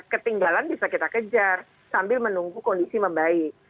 ketinggalan bisa kita kejar sambil menunggu kondisi membaik